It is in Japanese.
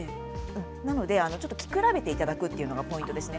なので着比べていただくというのがポイントですね。